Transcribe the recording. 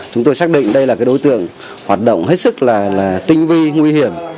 chúng tôi xác định đây là đối tượng hoạt động hết sức là tinh vi nguy hiểm